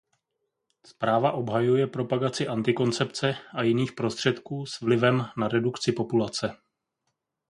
Zpráva obhajuje propagaci antikoncepce a jiných prostředků s vlivem na redukci populace.